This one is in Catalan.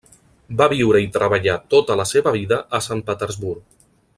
Va viure i treballar tota la seva vida a Sant Petersburg.